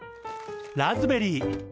ラズベリー。